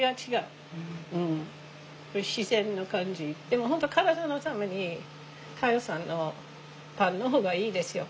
でも本当体のために香代さんのパンの方がいいですよ